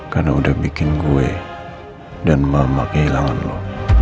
karena udah bikin gue dan mama kehilangan lo